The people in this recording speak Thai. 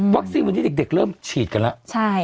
วัคซีนวันนี้เด็กเริ่มฉีดกันละ